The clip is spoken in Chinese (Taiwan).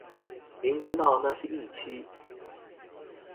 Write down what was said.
明知道那是疫區